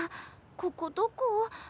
ここどこ？